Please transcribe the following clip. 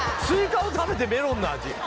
スイカを食べてメロンの味